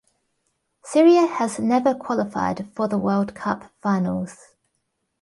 Syria has never qualified for the World Cup finals.